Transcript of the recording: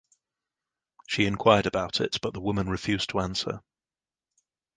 She inquired about it but the woman refused to answer.